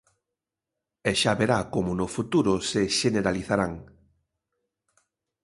E xa verá como no futuro se xeneralizarán.